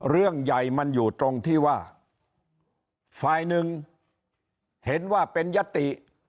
เรื่องใหญ่มันอยู่ตรงที่ว่าฝ่ายหนึ่งเห็นว่าเป็นยติ